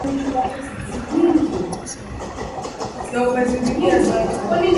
kuizuia Zaidi ya Itacara mto huo ulianzia mita miatatu